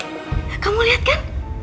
tuh kan kamu lihat kan